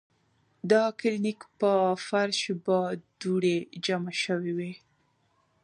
د کلینک پۀ فرش به دوړې جمع شوې وې ـ